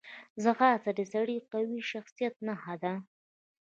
ځغاسته د سړي قوي شخصیت نښه ده